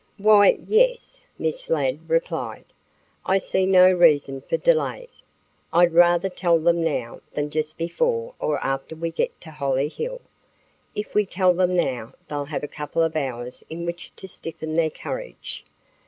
"Why, yes," Miss Ladd replied. "I see no reason for delay. I'd rather tell them now than just before or after we get to Hollyhill. If we tell them now they'll have a couple of hours in which to stiffen their courage.